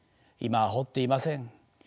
今は掘っていません。